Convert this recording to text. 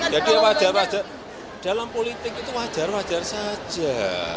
jadi wajar wajar dalam politik itu wajar wajar saja